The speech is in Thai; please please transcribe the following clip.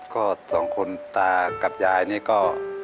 ก็๒คนเตยากับยายดีก็